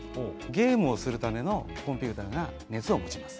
ゲームをするためのコンピューターが熱を持ちます。